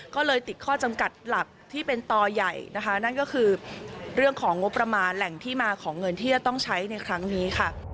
ก็เลยติดข้อจำกัดหลักที่เป็นต่อใหญ่นะคะนั่นก็คือเรื่องของงบประมาณแหล่งที่มาของเงินที่จะต้องใช้ในครั้งนี้ค่ะ